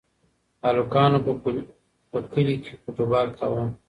هلکانو په کلي کې فوټبال کاوه.